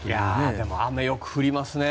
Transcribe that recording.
でも、雨よく降りますね。